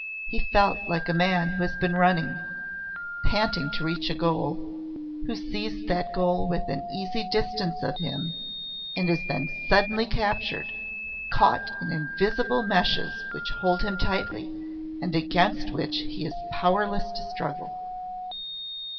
He felt like a man who has been running, panting to reach a goal, who sees that goal within easy distance of him, and is then suddenly captured, caught in invisible meshes which hold him tightly, and against which he is powerless to struggle.